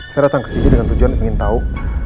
saya datang kesini dengan tujuan ingin tau